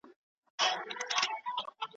په هر کار کي نوښت وکړئ.